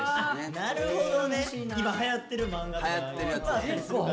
なるほどね今はやってるまんがとか。